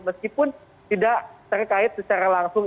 meskipun tidak terkait secara langsung